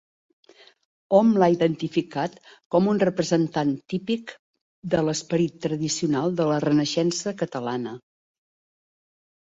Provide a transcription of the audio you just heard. Hom l'ha identificat com un representant típic de l'esperit tradicional de la Renaixença catalana.